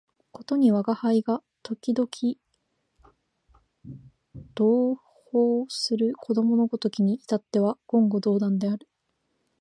ことに吾輩が時々同衾する子供のごときに至っては言語道断である